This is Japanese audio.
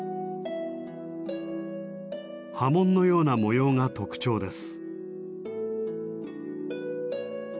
波紋のような模様が特徴です。